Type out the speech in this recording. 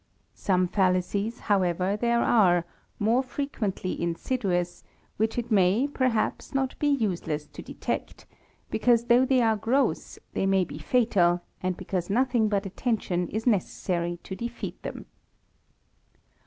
Some fallacies, however, there are, more frequently insidious, which it may, perhaps, not be useless to detect ; because though they are gross, they may be fatal, and because nothing but attention is necessary to defeat them.